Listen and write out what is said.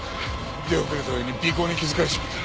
出遅れた上に尾行に気づかれちまった。